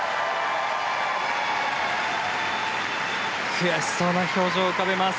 悔しそうな表情を浮かべます。